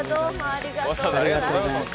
ありがとうございます。